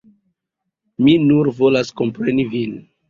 Mi nur volas kompreni vin.